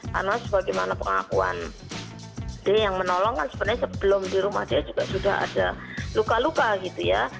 karena sebagaimana pengakuan dia yang menolong kan sebenarnya sebelum di rumah dia juga sudah ada luka luka gitu ya